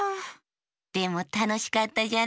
でもたのしかったじゃろ？